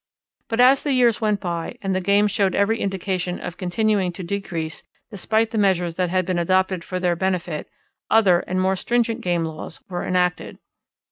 But as the years went by, and the game showed every indication of continuing to decrease despite the measures that had been adopted for their benefit, other and more stringent game laws were enacted.